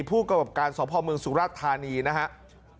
ผู้กระบบการสภอมูลสุรรัตน์ธานีนะครับ